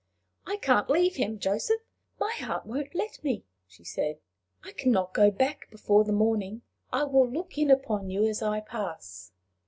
"I can't leave him, Joseph. My heart won't let me," she said. "I can not go back before the morning. I will look in upon you as I pass."